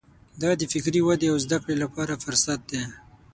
دا د فکري ودې او زده کړې لپاره فرصت دی.